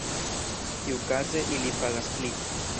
Tiukaze ili pagas pli.